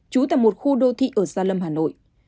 trú tại một khu đô thị ở gia lâm hà nội